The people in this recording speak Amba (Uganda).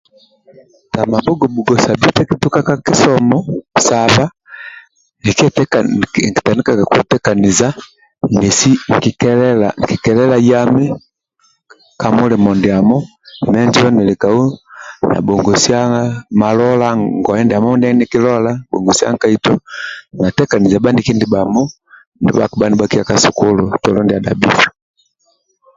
Tamabhugo-bhugo sabite kituka kakisomo saba nkitandikaga kwetekaniza nesi nkikelela yami ka mulimo ndiamo menjo nili kau na bhingisia ngoye ndiamo malola bhingisia nkaito na tekeniza bhaniki ndibhamo ndibha kibha nibhakiya ka sukulu ka tolo ndia dhabhibhe